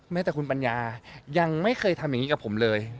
แม้แต่คุณปัญญายังไม่เคยทำอย่างนี้กับผมเลย